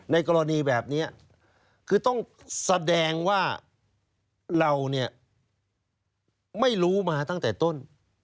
กรณีแบบนี้คือต้องแสดงว่าเราเนี่ยไม่รู้มาตั้งแต่ต้น